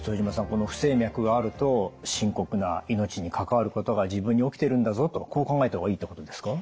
この不整脈があると深刻な命に関わることが自分に起きているんだぞとこう考えた方がいいということですか？